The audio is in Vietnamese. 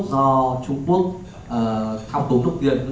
do trung quốc không tốn lúc tiền